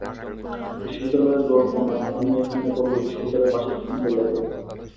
বিশ্ববিদ্যালয়ের গল্প নয়, আমি এখানে বলব বিশ্ববিদ্যালয়ের পাশে একটি সুন্দর লেকের কথা।